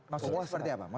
maksudnya seperti apa